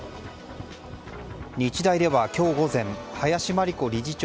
日大では今日午前林真理子理事長